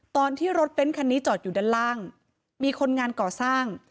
ตอนที่รถเบ้นคันนี้จอดอยู่ด้านล่างมีคนงานก่อสร้าง